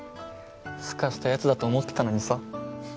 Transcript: すかした奴だと思ってたのにさ。